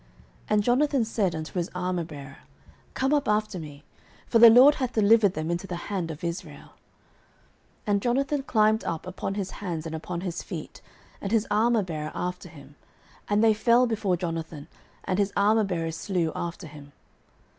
And Jonathan said unto his armourbearer, Come up after me: for the LORD hath delivered them into the hand of Israel. 09:014:013 And Jonathan climbed up upon his hands and upon his feet, and his armourbearer after him: and they fell before Jonathan; and his armourbearer slew after him.